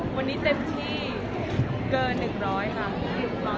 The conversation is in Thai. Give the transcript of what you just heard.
วันนี้เต็มที่เกิน๑๐๐ค่ะผมรออยากที่เห็น